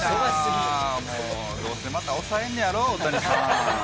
どうせまた抑えんのやろ、大谷さん。